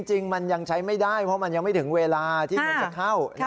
จริงมันยังใช้ไม่ได้เพราะมันยังไม่ถึงเวลาที่เงินจะเข้า